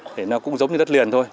thì nó cũng giống như đất liền thôi